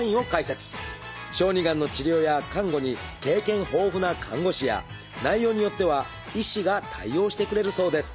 小児がんの治療や看護に経験豊富な看護師や内容によっては医師が対応してくれるそうです。